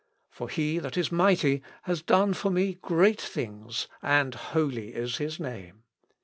For he that is mighty has done for me_ _great things, and holy is His name.